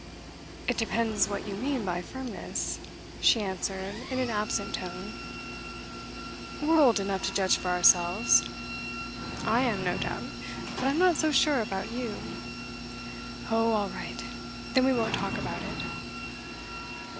'It depends what you mean by firmness,' she answered in an absent tone. 'We're old enough to judge for ourselves.' 'I am, no doubt. But I'm not so sure about you.' 'Oh, all right. Then we won't talk about it.